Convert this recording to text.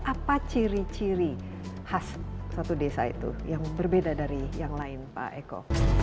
apa ciri ciri khas satu desa itu yang berbeda dari yang lain pak eko